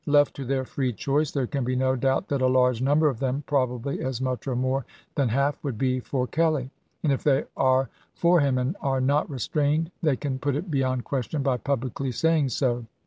Left to their free choice, there can be no doubt that a large number of them, probably as much or more than half, would be for Kelley. And if they are for him and are not restrained they can put it beyond question by publicly saying so.